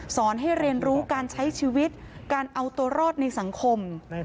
สอนให้เรียนรู้การใช้ชีวิตการเอาตัวรอดในสังคม